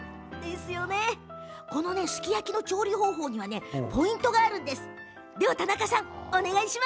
このすき焼きの調理方法、ポイントがあるんです。